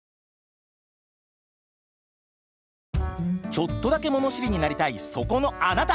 ちょっとだけ物知りになりたいそこのあなた！